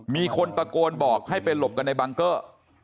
มีคนตะโกนบอกให้ไปหลบกันในบังเกอร์